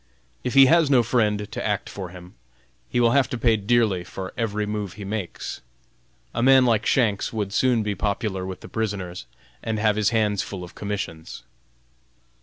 If he has no friend to act for him, he will have to pay dearly for every move he makes. A man like Shanks would soon be popular with the prisoners, and have his hands full of commissions.